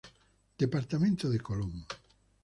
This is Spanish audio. Departamento de Colón.